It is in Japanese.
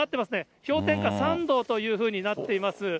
氷点下３度というふうになっています。